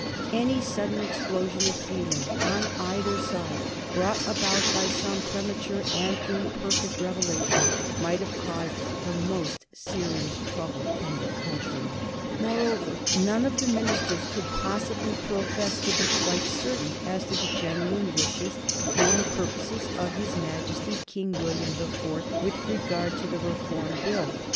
Any sudden explosion of feeling on either side brought about by some premature and imperfect revelation might have caused the most serious trouble in the country. [Sidenote: 1831 Introduction of the Reform Bill] Moreover, none of the ministers could possibly profess to be quite certain as to the genuine wishes and purposes of his Majesty King William the Fourth with regard to the Reform Bill.